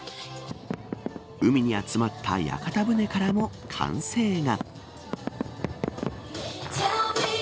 海に集まった屋形船からも歓声が。